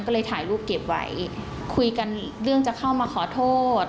ก็เลยถ่ายรูปเก็บไว้คุยกันเรื่องจะเข้ามาขอโทษ